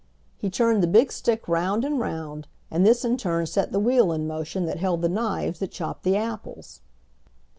He turned the big stick round and round, and this in turn set the wheel in motion that held the knives that chopped the apples.